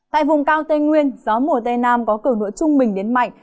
tại vùng cao tây nguyên gió mùa tây nam có cửa nụa trung bình đến mạnh